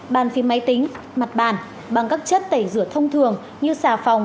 bàn phím máy tính mặt bàn bằng các chất tẩy rửa thông thường như xà phòng